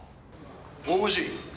大越。